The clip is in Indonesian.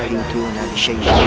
aku berhak untuk menjelaskan semuanya